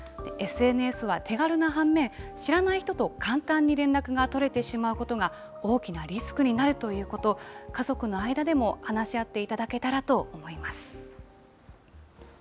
ＳＮＳは手軽な反面、知らない人と簡単に連絡が取れてしまうことが、大きなリスクになるということ、家族の間でも話し合っていただけたらと思います。